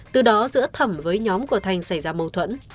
từ đó giữa thẩm với nhóm của thành xảy ra mâu thuẫn